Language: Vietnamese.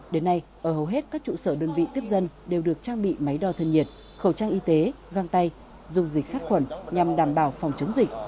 đến nay ở hầu hết các trụ sở đơn vị tiếp dân đều được trang bị máy đo thân nhiệt khẩu trang y tế găng tay dùng dịch sát khuẩn nhằm đảm bảo phòng chống dịch